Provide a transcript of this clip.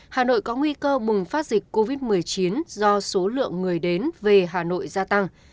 hà nội có nguy cơ bùng phát dịch covid một mươi chín do số lượng người đến về hà nội gia tăng